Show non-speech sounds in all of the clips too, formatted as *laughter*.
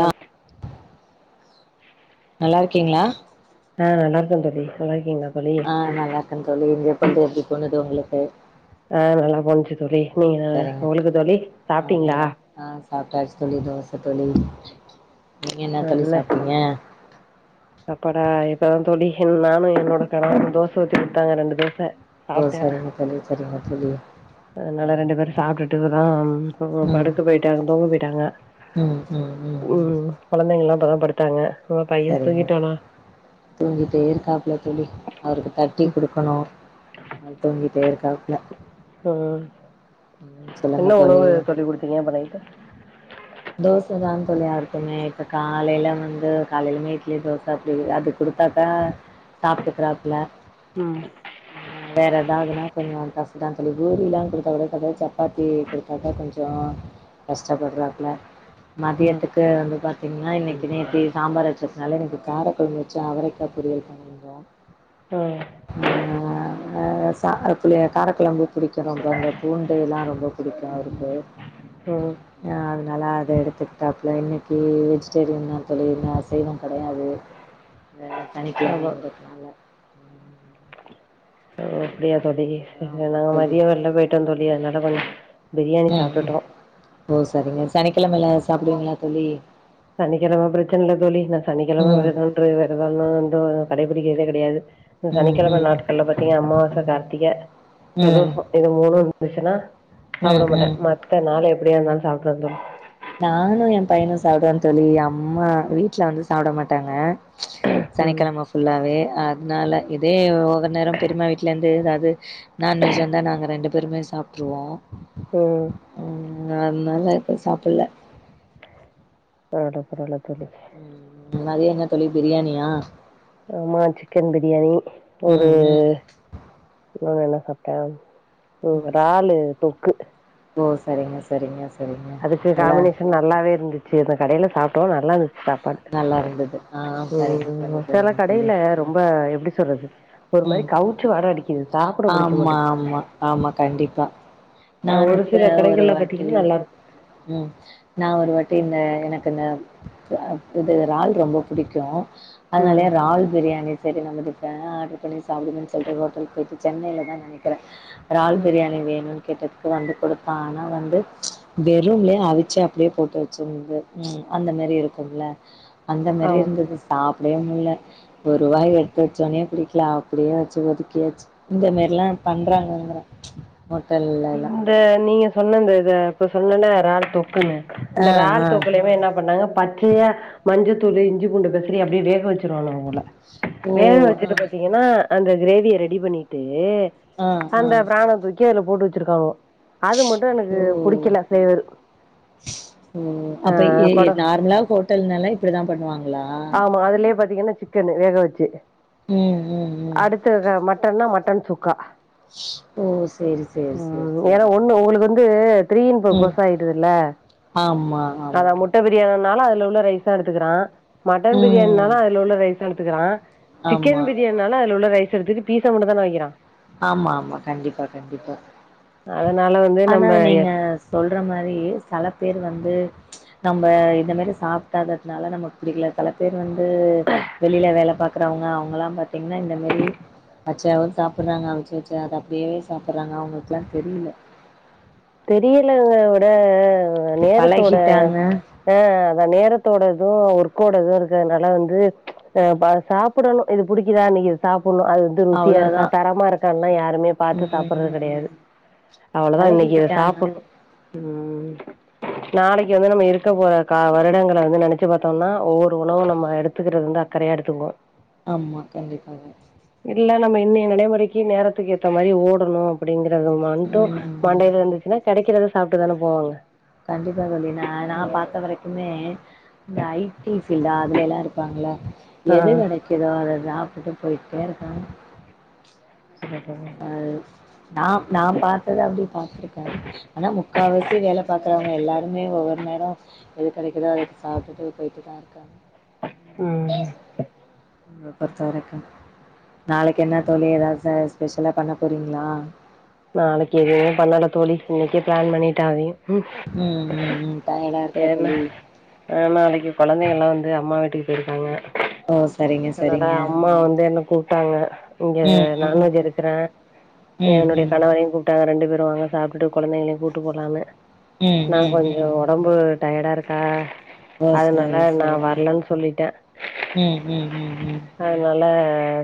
ஆ நல்லாருக்கீங்ளா ஆ நல்லாருக்க தோழி நல்லாருக்கீங்ளா ஆ நல்லாருக்கந்தோழி இனிதே பொழுது எப்டி போனது உங்குளுக்கு ஆ நல்லாதா இருந்ச்சு தோழி நீங்க உங்களுக்கு தோழி ஆ சாப்ட்டீங்ளா நல்லா ஆ சாப்ட்டாச்சு தோழி தோச தோழி நீங்க என்ன தோழி சாப்ட்டீங்க சாப்படா இப்பதா தோழி நானு என்னோட கணவரு தோச ஊத்தி குடுத்தாங்க ரெண்டு தோச ஓ சாப்ட்டே சரிங்க தோழி சரிங்க தோழி அதனால சரிங்க ரெண்டு பேரு தோழி சாப்ட்டுட்டுருக்குறோம் போ ம் படுக்க போயிட்டாங்க தூங்க போயிட்டாங்க ம் ம் ம் ம் கொழந்தைங்கல்லா இப்பதா படுத்தாங்க உங்க பைய சரிங்க தூங்கிட்டானா தூங்கிட்டே இருக்காப்புல தோழி அவருக்கு தட்டி குடுக்கனு அவரு தூங்கிட்டே இருக்காப்ல ம் என்ன உணவு தோழி குடுத்தீங்க ப்ப நைட்டு தோசதா தோழி யாருக்குமே இப்ப காலைல வந்து காலையிலுமே இட்லி தோச அப்டி அது குடு த்தாத சாப்ட்டுக்கறாப்புல ம் அ வேற எதாவதுன்னா கொஞ்சோ கஷ்டதா தோழி பூரிலா குடுத்தா கூட சாப்வாரு சப்பாத்தி குடுத்தாதா கொஞ்சோ கஷ்டப்படுறாப்புல ம் மதியத்துக்கு வந்து பாத்தீங்கன்னா இன்னைக்கு நேத்தி சாம்பார் வச்ச னால இன்னைக்கு காரக்கொழம்பு வச்சு அவரைக்கா பொரியல் பண்ணியிருந்தோ ஆ ஆ ஆ சாதத்துலயா காரக்கொழம்பு புடிக்கு ரொம்ப இந்த பூண்டு எல்லா ரொம்ப புடிக்கு அவருக்கு ம் ஆ நல்லா அத எடுத்துக்கிட்டாப்புல இன்னக்கி வெஜிடேரியன் தோழி அசைவம் கெடையாது வேற ஆமா சனிக்கிழமைங்கிறதுனால ஓ அப்டியா தோழி சரி சரி ஆமாம் நாங்க தோழி மதிய வெள்ல போயிட்டோ தோழி அதனால கொஞ்ச பிரியாணி ம் ம் சாப்ட்டுட்டோ ஓ சரிங்க சனிக்கிழமையில சாப்புடுவீங்களா தோழி சனிக்கிழம பிரச்சன இல்ல தோழி நா சனிக்கிழம ம் விரதம் ன்று விரதன்னு ஒன்று கடைபிடிக்கறதே கெடையாது இந்த ம் சனிக்கிழம ம் நாட்கள்ல பாத்தீங்க அமாவாச கார்த்திக ம் பிரதோஷ இது மூணு இருந்துச்சுன்னா ம் சாப்ட மாட்ட ம் மத்த நாள் எப்டியா இருந்தாலு சாப்ட்டுருவ தோழி நானு ஏ பையனு சாப்டுவோ தோழி அம்மா வீட்ல வந்து சாப்ட மாட்டாங்க ம் சனிக்கெழம ஃபுல்லாவே அதனால இதே ஒவ்வொரு நேர பெரிம்மா வீட்லேருந் து ஏதாவது நான்வெஜ் வந்தா நாங்க ரெண்டு பேருமே சாப்ட்டுருவோ ம் ம் அதனால இப்ப சாப்பல்ல பரவால்ல பரவால்ல தோழி ம் மதிய என்ன தோழி பிரியாணியா ஆமா சிக்கன் பிரியாணி ஒரு ம் ம் இன்னொன்னு என்ன சாப்ட்ட ம் இறாலு தொக்கு ஓ சரிங்க சரிங்க சரிங்க அதுக்கு நல்லா காம்பினேஷன் நல்லாவே இருந்துச்சு அந்த கடையில சாப்ட்டோ நல்லாருந்துச்சு சாப் பாடு நல்லா இருந்தது ஆ சரிங்க சரி ம் செல சரிங்க தோழி கடைல ரொம் ரொம்ப எப்டி சொல்றது ஒரு மாரி ம் கவுச்சி வாட அடிக்குது சாப்ட புடிக்க ஆமா மாட்டேங்குது ஆமா ஆமா கண்டிப்பா அ நானு ஒரு கூட சில கடைகள்ல ஒருவாட்டி பாத்தீங்கன்னா நல்லாருக்கும். ம் நா ஒருவாட்டி இந்த எனக்கு இந்த இது இறால் ரொம்ப புடிக்கும் ம். அதனாலயே இறால் பிரியாணி சரி சமைப்ப ஆட்ரு பண்ணி சாப்புடுவோமேனு சொல்ட்டு ஹோட்டல் போயிட்டு சென்னனைல தா நெனைக்கிறே இறால் பிரியாணி வேணுன் கேட்டதுக்கு வந்து குடுத்தா ஆனா வந்து வெறும்லே அவிச்சி அப்டியே போட்டு வச்சிருந்து ம் அந்த மேரி இருக்கும்ல அந்த மேரி ஆமா. இருந்தது சாப்டவே முட்ல ஒரு வாய் எடுத்து வச்சோன்னே புடிக் கில அப்டியே வச்சு ஒதுக்கியாச்சு இந்த மேரில்லா பண்றாங்கங்கிற ஹோட்டல்லல்லா அத நீங்க சொன்ன இந்த இத இப்ப சொன்னன இறால் தொக்குன்னு இந்த ஆ, இறால் ஆ. தொக்குலையுமே என்ன பண்ணாங்க ப ச்சையா மஞ்சத்தூளு இஞ்சி பூண்டு பெசரி அப்டியே வேக வெச்சிருவானுங்க போல ஓ! வேக வெச்சது ஆ. பாத்தீங் கன்னா அந்த கிரேவிய ரெடி பண்ணிட்டு ஆ ஆ அந்த பிரான தூக்கி அதுல போட்டு வச்சிருக்கானுவோ அது மட்டு எனக்கு புடிக்கல ஃப்ளேவர் ம் அப்ப ஏ ஏ கொட நார்மலா ஹோட்டல்னாலே இப்டிதா பண்ணுவாங்களா ஆமா அதுலயே பாத்தீங்கன்னா சிக்கனு வேக வச்சு ம் ம் ம் அடுத் ததுதா மட்டன்னா மட்டன் சுக்கா ஓ சேரி சேரி சேரி ம் ஏன்னா சேரி ஒண்ணு உங்களுக்கு வந்து த்ரீ இன் ம் பர்ப்போஸ் ஆயிடுதுல்ல ஆமா அதா ஆமா மு ட்ட பிரியணினாலு அதுல உள்ள ரைஸ்தா எடுத்துக்குறா மட்டன் பிரியாணின்னாலு ம் அதுல உள்ள ரைஸ்தா எடுத்துக்குறா சிக்கன் ஆமா பிரியாணின்னாலு அதுல உள்ள ரைஸ எடுத்துக்கிட்டு பீஸ மட்டுந்தான வக்கிறா ஆமா ஆமா கண்டிப்பா கண்டிப்பா அதனால வந்து ஆனா நம்ம நீங்க சொல்ற மாரி செல பேர் வந்து நம்ப இந்த மேரி சாப்டாததுனால நமக்கு பிடிக்கல தல பேர் வந்து வெளில வேல பாக்குறவங்க அவங்கல்லா பாத்தீங்னா இந்த மாரி பச்சயா தா சாப் புறாங்க அவுச்சு வச்சா அது அப்டியே சாப்பிட்றாங்க அவங்களுக்குலா தெரியில தெரியலங்க விட நேரத்தோட பழகிட்டாங்க ஆ அதா நேரத்தோடது ஒர்க்கோடது இருக்கறனால வந்து ஆ சாப்புடணு இது புடிக்குதா இன்னைக்கு சாப்பிடணு அது ருசியா இருக்கா அவ்ளோதா தரமா இருக்கான்னுலா யாருமே பாத்து சாப்புடறது ம் கெடையாது அவ்ளோதா இன்னைக்கு இத பழகிக்கிட்டாங்க சாப்புறோ நாளைக்கு வந்து நம்ம இருக்க போற கா வருடங்கள வந்து நெனச்சி பாத்தோம்னா ஒவ்வொரு உணவு நம்ம எடுத் துக்குறது வந்து அக்கறயா எடுத்துக்கோ ஆம்மா கண்டிப்பாதா இல்ல நம்ம இன்னய நடைமுறைக்கு நேரத்துக்கு ஏத்த மாரி ஓடணு அப்டிங்கறத மட்டு ம் மண்டயில இருந்துச்சுனா கெடைக்கறத சாப்டுதா போவாங்க கண்டிப்பா தோழி நா நா பாத்த வரைக்குமே இந்த ஐ டி பீல்டா அதுலேல்லா இருப்பாங்கள ஆ எது கெடைக்குதோ அத சாப்டு போய்ட்டே இருக்கனு *inaudible* நா நா பாத்தத அப்டி பாத்ருக்கே ஆனா முக்காவாசி வேல பாக்ரவங்க எல்லாருமே ஒவ்வொரு நேரோ எது கெடைக்குதோ அது சாப்டுட்டு போயிட்டுதா இருக்காங்க ம் என்ன பொறுத்த வரைக்கு நாளைக்கு என்ன தோழி எதாது ஸ்பெஷலா பண்ண போறீங்ளா நாளைக்கு எதுமே பண்ணல தோழி இன்னைக்கே ப்ளான் பண்ணிட்டே அதெயு ம் ம் ம் டயர்டா இருக்கா வேறென்ன தோழி ஆ நாளைக்கு கொழந்தைகல்லா வந்து அம்மா வீட்டுக்கு போயிருக்காங்க ஓ சரிங்க அதுனால சரிங்க அம்மா வந்து என்ன கூப்டாங்க இங்க ம் ம் நான்வெஜ் எடுக்குறே ம் என்னுடய ம் பேரயு கூப்டாங்க ரெண்டு பேரு வாங்க சாப்டுட்டு கொழந்தைகளயு கூட்டு போலனு ம் நா ம் கொஞ்சோ ம் ஒட ம்பு டயர்டா இருக்கா ஓ அதுனால சரி நா சரிங்க வர்லன் சொல்லிட்டே ம் ம் ம் ம் அதுனால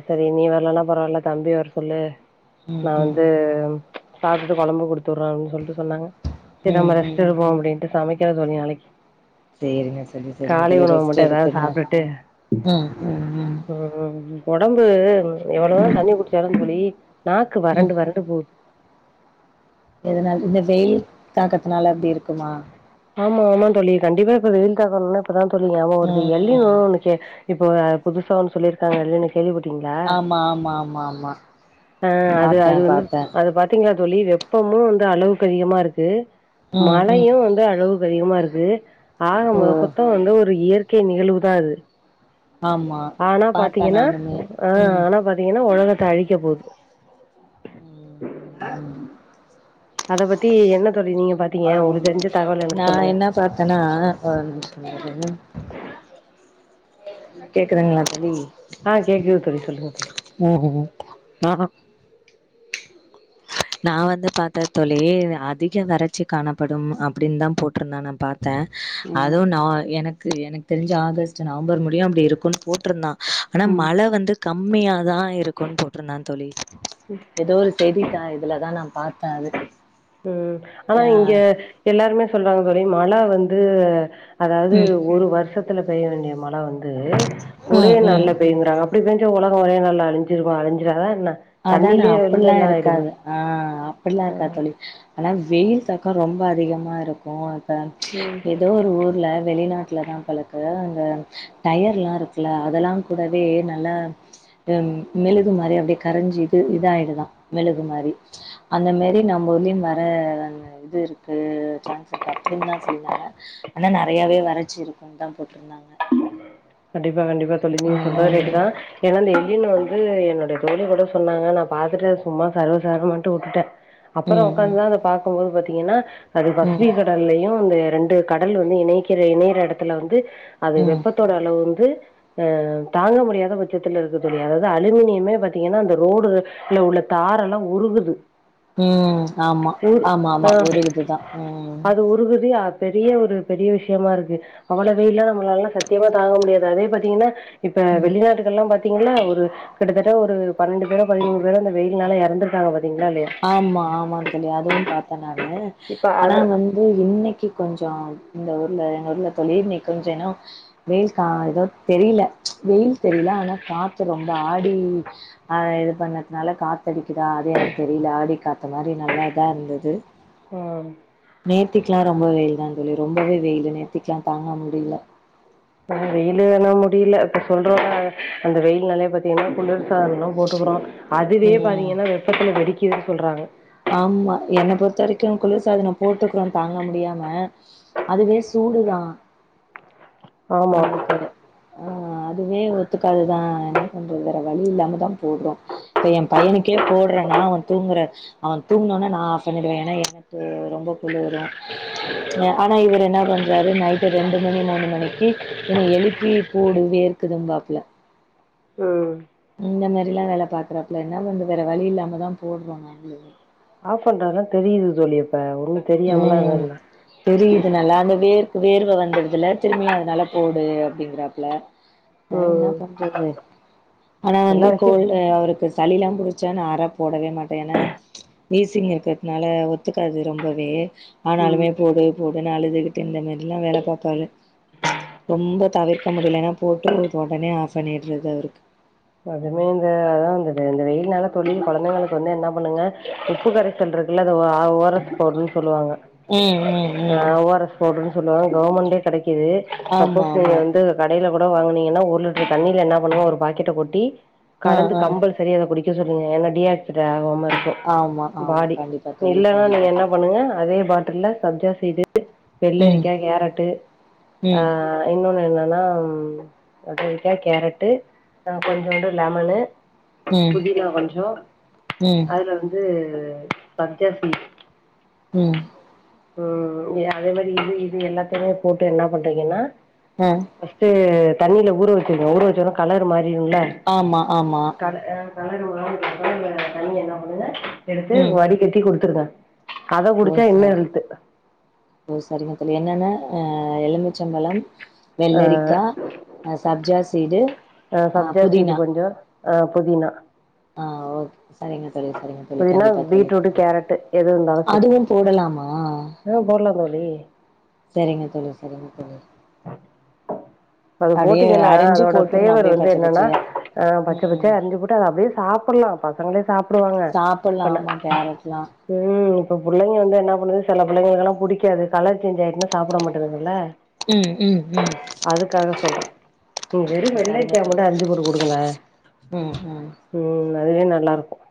சரி நீ வரலனா பரவால்ல தம்பிய வர சொல்லு ம் நா ம் வந்து சாப்டுட்டு கொழம்பு குடுத்துறோ அப்பினு சொல்ட்டு சொன்னாங்க செரி ம் நம்ம ம் ரெஸ்ட் எடுப்போ அப்டின்ட்டு சமைக் சொல்லி அழைக்கு சேரிங்க சரி சரிங்க காலை தோழி உணவு ரெஸ்ட் மட்டு எதாது எடுத்துங்க சாப்ட்டுட்டு ம் ம் ம் ம் ஒடம்பு எவ்ளவோ ம் தண்ணி குடிச்சாலு தோழி நாக்கு ம் வறண்டு வறண்டு போது எதனால இந்த வெயில் தாக்கத்துனால அப்டி இருக்குமா ஆமா ஆமா தோழி கண்டிப்பா இப்ப வெயில் தாகம்னு இப்பதா தோழி ஞாபகோ வருது ம் எள்நி ம் வாங்னெச்சே இப்போ புதுசா ஒன்னு சொல்லிருக்காங்க அதுலே கேள்விப்பட்டீங்ளா ஆமா ஆமா ஆமா ஆமா அ அது பாத்தே அது வந்து பாத்தே அது பாத் தீங்களா தோழி வெப்பமு வந்து அளவுக்கு அதிகமா இருக்கு ம் ம் மழயு வந்து அளவுக்கு அதிகமா இருக்கு ஆக ஓ மொக்கத்து வந்து ஒரு இயற்கை நிகழ்வுதா அது ஆமா ஆனா பாத்தே பாத்தீங்கனா நானுமே ஆ ம் ஆனா பாத்தீங்கனா ஒலகத்த அழிக்க போது உம் அத பத்தி என்ன தோழி நீங்க பாத்தீங்க உங்களுக்கு தெரிஞ்ச தகவல் எனக்கு சொல்லுங்க பாத்தனா கேக்குதுங்களா தோழி ஆ கேக்குது தோழி சொல்லுங்க தோழி ஓ ஆ நான் வந்து பாத்த தோழி அதிக வறட்சி காணப்படும் அப்டின்னு தா போட்டிருந்தன் நா பாத் த ம் அதுவு நா எனக்கு எனக்கு தெரிஞ்சு ஆகஸ்ட் நவம்பர் முடியு அப்டி இருக்கும்னு போட்ருந்தா ஆனா ம் மழ வந்து கம்மியா தான் இருக்குன்னு போட்ருந்தான் தோழி ஏதோ ஒரு செய்தி த்த இதுலதா நா பாத்தன் அது ம் ஆனா ஆ இங்க எல்லாருமே சொல்றாங்க தோழி மழ வந்து அதாவ்து ம் ஒரு வருஷத்துல பெய்ய வேண்டிய மழ வந்து ஒரே ம் ம் நாள்ல பெயுங்கறாங்க அப்டி பெஞ்ச உலகோ ஒரே நாள்ல அழிஞ்சிருமொ அழிஞ்சிராதா என்ன தண்ணிலே இருந்து எல்லா ஆய்டுமே அ அப்பிட்லா இருக்காத் தோழி ஆனா வெயில் தாக்கம் ரொம்ப அதிகமாக இருக்கும் ஏதோ ஒரு ஊர்ல வெளிநாட் லதான் பலக்கு அங்க டயர்லா இருக்குல அதெல்லா கூடவே நல்லா ம் மெழுகு மாரி அப்டியே கரஞ்சு இது இதாயிடுதான் மெழுகு மாரி அந்த மேரி நம்மூர்லிம் வர வங்க இது இருக்கு சான்ஸ் இருக்கு அப்டின்னு தா சொல்லிந்தாங்க ஆனா நெறையாவே வறச்சி இருக்குனு தா போட்ருந்தாங்க கண்டிப்பா கண்டிப்பா தோழி நீங்க சொல்றத் ரைட்டு ம் தா ஏன்னா அந்த இலியன் வந்து என்னோட தோழி கூடோ சொன்னாங்க நா பாத்துட்டு சும்மா சர்வசர மாண்டு வுட்டுட்டே அப்ரோ ம் ம் உட்காந்து அத பாக்கும்போது பாத்தீங்கன்னா அது பஸ் ம் *unintelligible* டர்லயு அந்த ரெண்டு கடல் வந்து இணைக்கற இணையற எடத்துல வந்து அது ம் வெப்பத்தோட வந்து ஹ தாங்க முடியாத பட்சத்துல இருக்கு தோழி அதாவது அலுமினியமே பாதீங்கன்னா அந்த ரோடு இல்ல உள்ள தாரல்லா உருகுது ம் ஆமா உரு ஆமா ஆமா ஒரு இதுதா ம் உறுகுதியா பெரிய ஒரு பெரிய விஷயமா இருக்கு அவ்ளவு வெயல்லா நம்மளாலல்லா சத்தியமா தாங்க முடியாது அதே பாத்தீங்கன்னா இப்ப ம் வெளிநாட்டுகெள்லா பாத் பாத்தீங்ளா ஒரு கிட்டத்தட்ட ஒரு பன்னெண்டு பேரோ பதிமூணு பேரோ அந்த வெயில்னால எறந்திருக்காங்க பாத்தீங்ளா இல்லயா ஆமா ஆமான் தோழி அதுவும் பாத்த நானு இப்ப ஆனா அது வ து இன்னைக்கு கொஞ்சோ இந்த ஊர்ல எங்க ஊர்ல தோழி இன்னைக்கு கொஞ்சோ ஏனோ வெயில் கா எதாவது தெரில வெயில் தெரில ஆனா காத்து ரொம்ப ஆடி ஆ இது பண்ணதுனால காத்தடிக்குதா அது எனக் தெரில ஆடி காத்து மாரி நல்லாதா இருந்துது ம் நேத்திக்லா ரொம்ப வெயில் தா தோழி ரொம்பவே வெயில்லு நேத்திக்லா தாங்க முடியல ஆ வெயில் ஆனா முடில இப்ப சொல்றோல்ல அந்த வெயில்னாலே பத்தீங்கன்னா குளுர் சால்னோ போட்டுருக்கறோ அதுவே ம் பாத்தீங்கன்னா வெப்பத்துல வெடிக்குதுன் சொல்றாங்க ஆமா என்ன பொறுத்த வரைக்கு குளிர் சாதனோ போட்டுக்கிறோ தாங்க முடியாம அதுவே சூடுதா ஆமா உங்களுக்கு ஆ அதுவே ஒத்துக்காதுதா ஆனா கொஞ்சோ வேற வழி இல்லாமதா போடுறோ இப்ப ஏ பையனுக்கே போடுறன்னா அவன் தூங்குற அவன் தூங்குனான்னா நா ஆஃப் பண்ணிடுவே ஏன்னா எனக்கு ரொம்ப குளுரு ஆனா இவரு என்னா பண்றாரு நைட்டு் ரெண்டு மணி மூணு மணிக்கு என்ன எழுப்பி போடு வேர்க்குதும்பாப்ல ம் இந்த மாரில்லா வேல பாக்குறாப்பல என்ன பண்றது வேற வழி இல்லாமதா போடுறோ நாங்களு ஆப் பண்றதுலா தெரியுது தோழி இப்ப ஒண்ணு ம் தெரிதுனால அந்த வேருக்கு வேர்வ வந்துருதில்ல திரும்பியு அதனால போடு அப்டிங்கறாப்ல நா என்ன ம் பண்றது ஆனா வந்து எல்லா விஷய கோல்டு அவருக்கு சளி எல்லாம் பு டுச்சா நா ஆற போடவே மாட்ட ஏனா வீசிங் இருக்கறதுனால ஒத்துக்காது ரொம்பவே ம் ஆனாலுமே போடு போடுன்னு அழுதுகிட்டு இந்தமா நல்லா வேல பாப்பாரு ரொம்ப தவிர்க்க முடியலன்னா போட்டு ஒடனே ஆஃப் பண்ணிடடுறது அவருக்கு அதுமே இந்த அதான் இந்த இந்த வெயில்னால தோழி கொழந்தைங்களுக்கு வந்து என்னா பண்ணுங்க உப்பு கர சல் இருக்குல்ல அது ஆ ஓ ஆர் எஸ் பவுடர்ன்னு சொல்லுவாங்க ம் ம் ஆ ம் ஓ ஆர் எஸ் பவுடர்ன்னு சொல்லுவாங்க கவர்மெண்ட்லயே கெடைக்குது ஆமா சப்போஸ் நீங்க ஆமா வந்து கடையில கூட வாங்கனீங்கன்னா ஒரு லிட்டர் தண்ணியில என்ன பண்ணுங்க ஒரு பாக்கெட்ட கொட்டி ஆ கலந்து ஆ கம்பல்ஸ் சரி அத குடிக்க சொல்லுங்க ஏன்னா டிஹைட்ரே ஆகாம இருக்கு ஆமா ஆமா பாடி கண்டிப்பா தோழி இல்லன்னா கண்டிப்பா நீங்க என்ன கண்டிப்பா பண்ணுங்க அதே பாட்டில்ல சப்ஜா சீடு, ம் வெள்ளரிக்கா, கேரட்டு ஆ ம் இன்னொன்னு என்னன்னா கத்திரிக்கா கேரட்டு ந்து கொஞ்சோண்டு லெமனு ம் புதினா கொஞ்சோ ம் அதுல வந்து து சப்ஜா சீடு ம் ம் அதே மாரி இது இது எல்லாத்தையுமே போட்டு என்னா பண்றீங்கன்னா அ ஃபர்ஸ்ட்டு தண்ணில ஊற வெச்சிருங்க ஊற வெச்சொன்னா கலர் மாரிருமல்ல ஆமா ஆமா க அ கலரு மாறுனதுக்கப்றோ அந்த தண்ணிய என்ன பண்ணுங்க எடுத்து வடிகட்டி குடுத்திருங்க சோ சேடு ஓ சரிங்க தோழி என்னென்ன அ எலுமிச்சம்பழம், ஆ வெள்ளரிக்கா, ஆ சப்ஜா சீடு ஆ சப்ஜா சீடு கொஞ்சோ ஆ புதினா ஆ ஓகே செரிங்க செரி செரிங்க தோழி புதினா கண்டிப்பா தோழி பீட்ரூட்டு கேரட்டு எது இருந்தாலு சரி அதுவு போடலாமா ஆ போடலா தோழி சரிங்க தோழி சரிங்க தோழி அது அப்டியே போட்டீங்கனா அரிஞ்சு அதோட போட்றணு ப்ளேவர் அப்டியே வந்து பச்ச என்னன்னா பச்சையா ஆ பச்ச ம் பச்சயா அறிஞ்சி போட்டு அத அப்டியே சாப்பல்லா பசங்களே சாப் சாப்பல்லா ஆமா கேரட் லா ம் இப்ப புள்ளைங்க வந்து என்ன பண்ணுது சில பிள்ளைங்களுக் எல்லா புடிக்காது கலர் சேஞ்ச் ஆயிட்னா சாப்பட மாட்டதுங்கல்ல ம் ம் ம் அதுக்காக சொல்றே வெறு ஓ சரிங்க வெள்ளரிக்கா தோழி மட்டு அறிஞ்சு போட்டு கொடுங்கள ம் ம் ம் அதுவே நல்லாருக்கு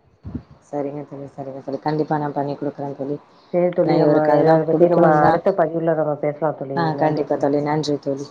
சரிங்க தோழி சரிங்க அது கண்டிப்பா நான் பண்ணி குடுக்றேன் தோழி சேரி ஆனா தோழி நம்ம இவருக்கு இத அதெல்லா பத்தி நம்ம குடுக்கணுந்தா அடுத்த பதிவுல நம்ம பேசலா தோழி ஆ நன்றி கண்டிப்பா தோழி நன்றி தோழி